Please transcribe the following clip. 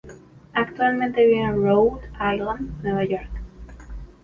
Actualmente vive en Rhode Island, Nueva York.